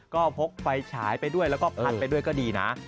ก็พกไฟฉายไปด้วยแล้วก็พัดไปด้วยก็ดีนะ